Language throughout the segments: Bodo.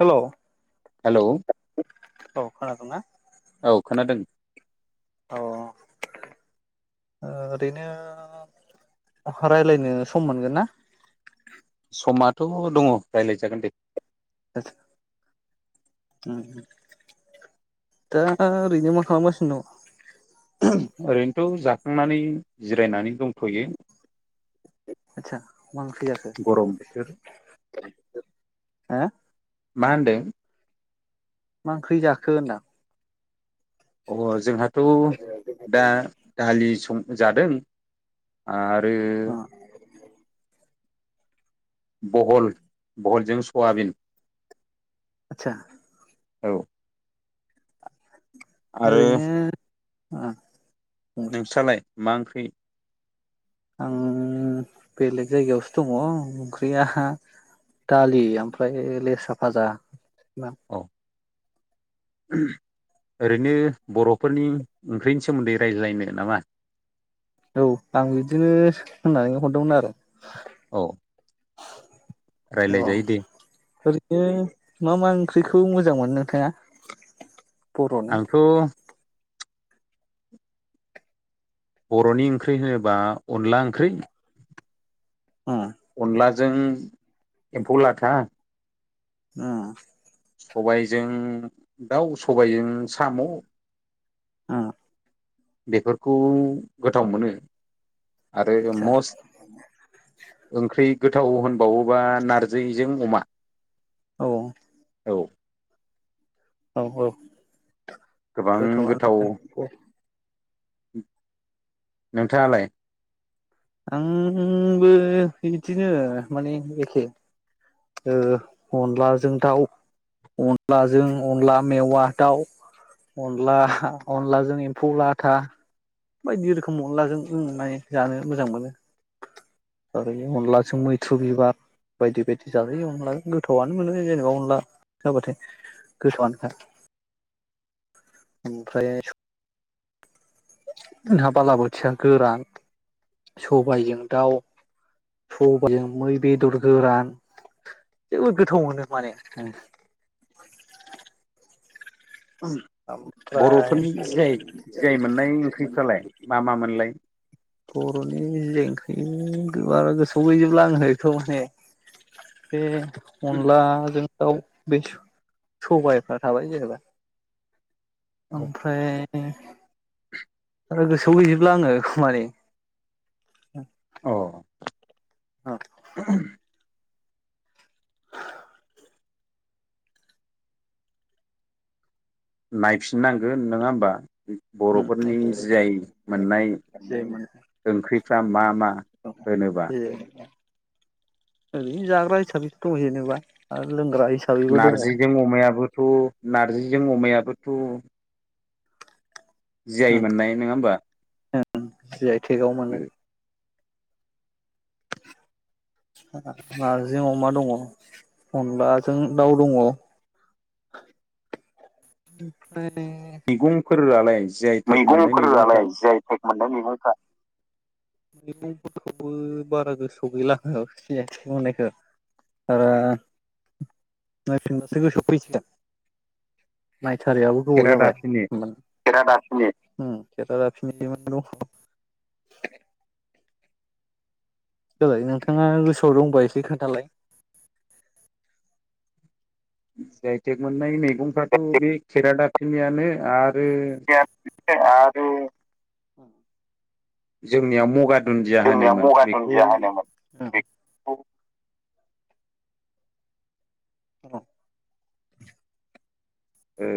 हेलौ हेलौ औ खोनादों ना? औ खोनादों। औ ओरैनो रायलायनो सम मोनगोन ना? समाथ' दङ रायलायजागोन दे। [unintelligible] उम दा ओरैनो मा खालामगासिनो दङ? ओरैनोथ जाखांनानै जिरायनानै दंथ'यो। आतसा मा ओंख्रि जाखो? गरम बोथोर हा? मा होनदों? मा ओंख्रि जाखो होनदां? अ जोंहाथ' दा दालि सं जादों आरो अ बहल बहलजों सआबिन आतसा औ आरो ओरैनो ओ नोंस्रालाय मा ओंख्रि? आं बेलेग जायगायावसो दङ ओंख्रिया दालि ओमफ्राय लेस्रा फाजा औ [unintelligible] ओरैनो बरफोरनि ओंख्रिनि सोमोन्दै रायज्लायनो नामा? औ आं बिदिनो होननानै हरदोंमोन आरो। औ अ रायज्लायजायो दे ओरैनो मा‌‌ मा ओंख्रि खौ मोजां मोनो नोंथाङा? बर'नि आंथ' बर'नि ओंख्रि होनोबा अनला ओंख्रि अ अनलाजों एम्फौ लाथा आ सबायजों दाउ सबायजों साम' आ बेफोरखौ गोथाव मोनो। आरो आदसा मस्ट ओंख्रि गोथाव होनबावोबा नारजिजों अमा औ औ औ औ गोबां गोथाव गोथावआनो। नोंथाङालाय? आंबो इदिनो माने एखे ओ अनलाजों दाउ अनलाजों अनला मेवा दाउ। अनला अनलाजों एम्फौ लाथा। बायदि रोखोम अनलाजों [unintelligible] जानो मोजां मोनो। ओरै अनलाजों मैथ्रु बिबार बायदि बायदि जाजायो अनलाजों गोथावआनो मोनो जेनेबा अनला जाबाथाय। गोथावआनोखा ओमफ्राय जोंहा बालाबोथिया गोरान सबायजों दाउ सबायजों मै बेदर गोरान जोबोद गोथाव मोनो माने उम ओमफ्राय बर'फोरनि जि आइ जि आइ मोननाय ओंख्रिफ्रालाय मा मा मोनलाय? बर'नि जि बे अनलाजों दाउ बे सबायफ्रा थाबाय जेनेबा ओमफ्राय आरो गोसोआव गैजोबला आङो माने औ औ नायफिननांगोन नङा होमबा बर'फोरनि जि आइ मोननाय ओंख्रिफ्रा मा मा होनोबा ओरै जाग्रा हिसाबैसो दं जेनेबा आरो लों नार्जिजों अमायाबोथ' नार्जिजों अमायाबोथ' जि आइ मोननाय नङा होमबा जि आइ थेगाव मोनो [inaudible] नारजि अमा दङ अनलाजों दाउ दङ' [inaudible] मैगंफोरालाय जि आइ टेक मोननाय मैगंफ्रा मैगंफोरलाय जि आइ टेक मोननाय मैगंफ्रा मैगंफोरखौबो बारा गोसोआव गैला जि आइ टेक मोननायखौ आरो नायफिनबासो गोसोआव फैसिगोन। नाय- थारियाबो गोबाव जाबाय। खेरादाफिनि खेरादाफिनि ओम खेरादाफिनि [unintelligible] देलाय नोंथाङा गोसोआव दंबा एसे खोनथालाय जि आइ टेक मोननाय मैगंफ्राथ' बे खेरादाफिनियानो आरो आरो जोंनियाव मगा दुन्दिया जोंनिया होनोमोन मुगा बेखौ दुनदिया होनोमोन बे [inaudible] ओ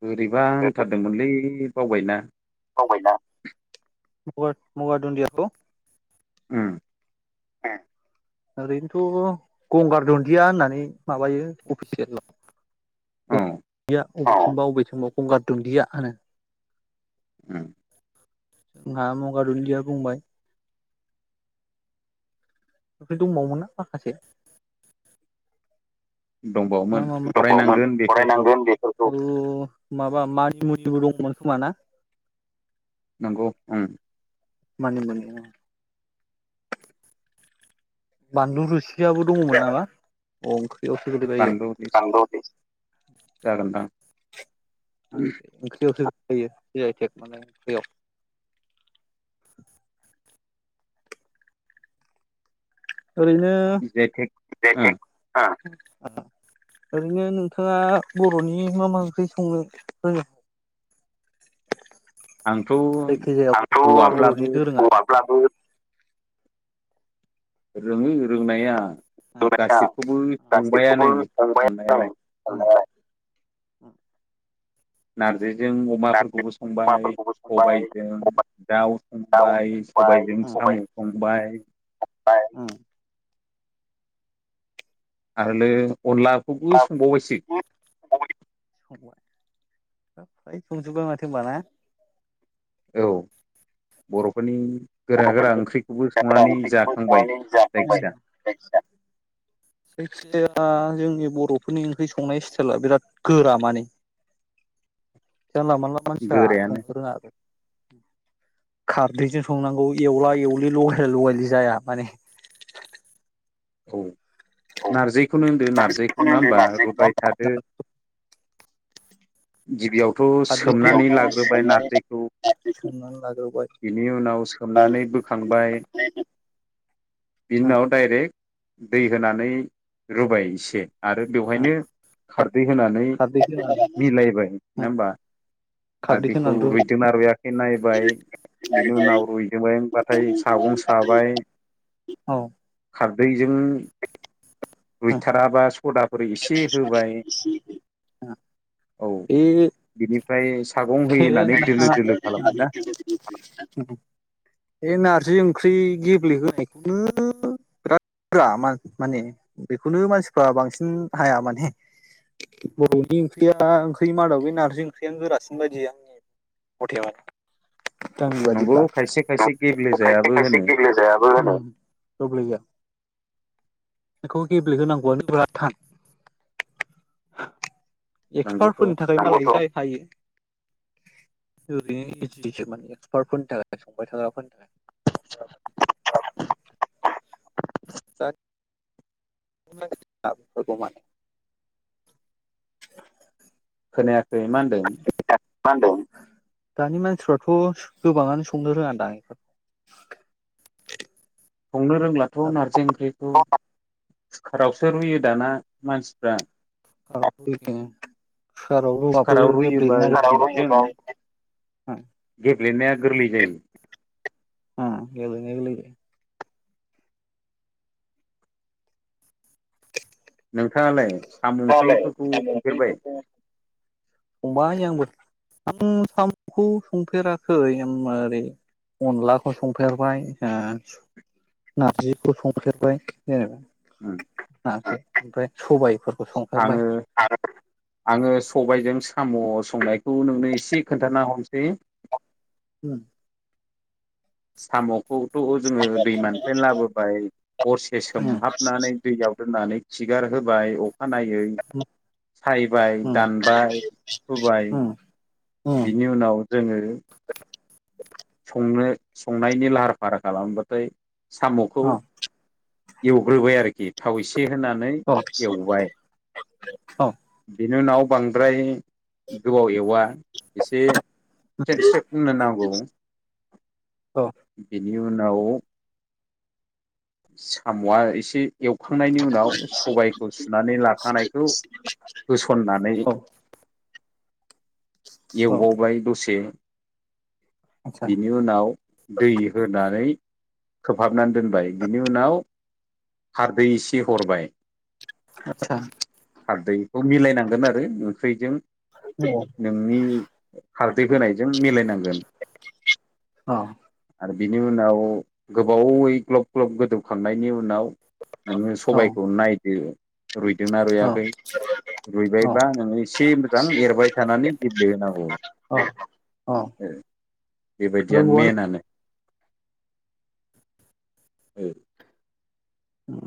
बोरैबा होनथारदोंमोनलै बावबायना बावबायना मुगा- मुगा दुन्दियाखौ ओम [unintelligible] ओरैनोथ' गंगार दुन्दिया होननानै माबायो अफिसियेलाव औ [unintelligible] गंगार दुनदिया होनो ओम [unintelligible] बुंंबाय बे दंबावोमोन ना माखासे मा दंबावोमोन मामोन दंबावोमोन फरायनांगोन बेफोरखौ फरायनांगोन बेफोरखौ बे माबा मानि मुनिबो दंमोन खोमाना? नंगौ ओम मानि मुनि बानलु रुसियाबो दङमोन नामा बानलु अं [unintelligible] जागोनदां [unintelligible] फैयो जि आइ थेक [unintelligible] ओरैनो आइ टेक जि आइ ओ टेक ना ओरैनो नोंथाङा बर'नि मा-मा ओंख्रि संनो रोङो आंथ' जायखिजाया हौवाब्लाबो बर'नि दोरोङारि [unintelligible] [unintelligible] रोङो रोंनाया [unintelligible] गासिबखौबो गासैखौबो संबायानो संबाय आं संनायालाय संनाया [inaudible] नारजै जों अमाफोरखौबो संबाय अमाफोरखौबो सबायजों संबाय दाउ दाउ संबाय सबाय सबाइजों सबाय सामु संबाय [unintelligible] आरोलै अनलाखौबो संबावबायसो संजोबबाय माथो ओमबा ना? औ बरफो फोरनि गोरा गोरा ओंख्रिखौबो संनानै ओंख्रिखौबो जाखांबाय संनानै जाखांबाय जायखिजाया [unintelligible] जोंनि बर'फोरनि ओंख्रि संनाय स्टाइला बिराद गोरा माने। जानला मोनला मानसिया गोरायानो संनो रोङा आरो खारदैजों संनांगौ एवला एवलि लगायला लगायलि जाया माने औ औ नार्जिखौनो होनदो नार्जिखौ नारजिखौनो नङा होनदो होमबा नारजिखौ नङा रुबाय होमबा थादो। गिबियावथ' दैयावथ' सोमनानै लाग्रोबाय सोमनानै नारजिखौ सोमनानै लाग्रोबाय बिनि उनाव सोमनानै बोखांबाय। [inaudible] बिनि ओ उनाव डाइरेक्ट दै होनानै रुबाय एसे आरो ओ बेवहायनो खारदै होनानै खारदैखौ होनानै मिलायबाय ओ नङा होमबा? आरो खारदैखौ बेखौ होनानै रुबाय रुइदोंना रुइयाखै नायबाय बिनि उनाव रुइजोबबायब्लाथाय सागं साबाय औ दैजों रुइथाराबा सदाफोर एसे होबाय औ बिनिफ्राय सागं होयो होननानै दोलो दोलो खालामबाय ना [unintelligible] बे नारजि ओंख्रि गेब्लेहोनायखौनो बिराद बा माने बेखौनो मानसिफ्रा बांसिन हाया माने। बर'नि ओंख्रिया ओंख्रि मादाव बे नारजि ओंख्रियानो गोरासै बेबादिनो आ माने नंगौ [unintelligible] खायसे गेब्लेेजायाबो खायसे‌ होनो गेबेले जायाबो [unintelligible] बेखौ गेब्लेहोनांगौआनो बिराद थान एक्सपार्ट नंगौथ' फोरनि थाखाय थायो ओरैनो इस एक्सपार्टफोरनि थाखाय संबाय थाग्राफोरनि थाखाय [unintelligible] दा [unintelligible] खोनायाखै मा होनदों। मा होनदों? दानि मानसिफ्राथ' गोबाङानो संनो रोङा दां बे संनो रोंलाथ' नारजि ओंख्रिखौ खुखारावसो रुयो दाना मानसिफ्रा कुकाराव रुयोबा हिटजों बिदिनो गेब्लेनाया गोरलै जायो। हम गेबेलेनाया गेबेलेयो। नोंथाङालाय साम' गोरलैयो ओंख्रिफोरखौ संफेरबाय संबाय आंबो आं साम'खौ संफेराखै ओ मारै अनलाखौ संफेरबाय नारजिखौ संफेरबाय जेनेबा उम ओमफ्राय सबाय आङो आङो सबायाइजों साम' संनायखौ नोंनो एसे खोन्थाना हमनोसै [inaudible] साम'खौ थ' जोङो दैमानिफ्रायनो लाबोबाय हरसे ओम सोमहाबनानै दैयाव दोननानै खिगार होबाय अ खानायै सायबाय ओम दानबाय हुबाय उम उम बिनि उनाव जोङो संनो संनायनि लाहार फाहार खालामबाथाय साम'खौ औ एवग्रोबाय आरोखि थाव एसे होनानै औ एवबाय औ इनि उनाव बांद्राय गोबाव एवा एसे स्रेब स्रेब होननो नांगौ औ बेनि उनाव साम'आ एसे एवखांनायनि उनाव सबायखौ सुनानै लाखानायखौ होसननानै औ औ एवबाव बाय दसे आतसा बिनि उनाव दै होनानै खोबहाबनानै दोनबाय बिनि उनाव खारदै एसे हरबाय आतसा बेखौ मिलायनांगोन आरो ओंख्रिजों औ नोंनि खारदै होनायजों मिलायनांगोन औ आरो बिनि उनाव गोबावै ग्लब ग्लब गोदौखांनायनि उनाव नोङो औ सबायखौ नायदो रुइदोंना औ रुइयाखै औ रुइबायबा नोङो एसे मोजां एरबाय थानानै गेब्लेहोनांगौ औ बेबायदियानो रोंगौआनो मेनानो औ उम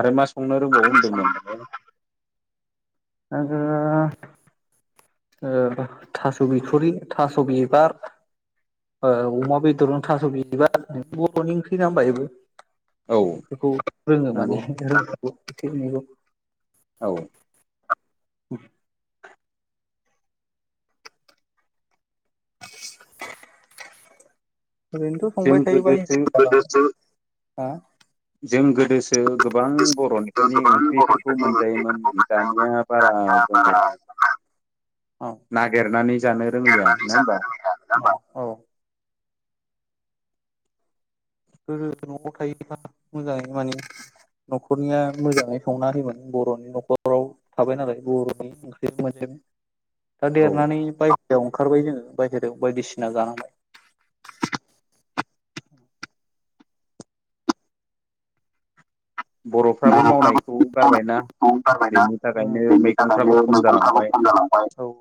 आरो मा संनो रोंबावो होनदोंमोन नोङो आङो ओ थास' बिथ'रि थास' बिबार आ अमा बेदरजों थास' बिबार बर'नि ओंख्रि नङा होनबा बेबो औ बेफोरखौ रोङो नंगौ माने एसे एनैखौ औ [unintelligible] [unintelligible] ओरैनोथ' जों संबाय थायोबा गोदोसो [unintelligible] जों गोदोसो गोबां गोबां बर'निफोरनि ओंख्रिफोरखौ बर'फोरनि मोनजायोमोन ओंख्रिफोरखौ दानिया बा रा जोङो [inaudible] ओ नागिरनानै जानो रोंलिया देरनानै नङा होमबा जानो रोङाया नङा होनबा औ गोदो न'आव थायोबा मोजाङै माने न'खरनिया मोजाङै संना होयोमोन बर'नि न'खराव थाबाय नालाय बर'नि ओंख्रि मोन दा औ देरनानै बाय जोयाव ओंखारबाय जोङो बायहेरायाव बायदिसिना जानांबाय बर'फ्राबो मावनायखौ गारबायना गारबायना बेनि थाखायनो बेनि थाखायनो मैगंफ्राबो खम मैगंफ्राबो जालांबाय खम जालांबाय औ